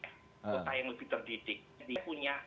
kota yang lebih terdidik jadi punya